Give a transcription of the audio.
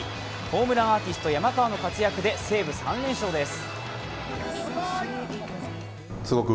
ホームランアーティスト・山川の活躍で西武３連勝です。